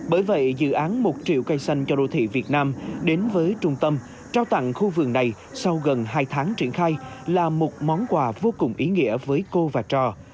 bởi vậy dự án một triệu cây xanh cho đô thị việt nam đến với trung tâm trao tặng khu vườn này sau gần hai tháng triển khai là một món quà vô cùng ý nghĩa với cô và trò